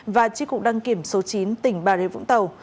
và tri cục đăng kiểm số chín tỉnh bà rịa vũng tàu